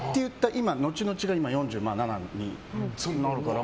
今、後々が今４７になるから。